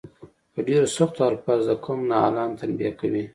په ډیرو سختو الفاظو د قوم نا اهلان تنبیه کوي.